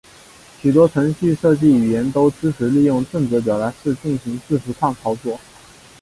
许多程序设计语言都支持利用正则表达式进行字符串操作。